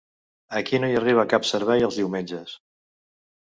Aquí no hi arriba cap servei els diumenges.